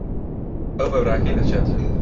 ئەو بە براکەی دەچێت.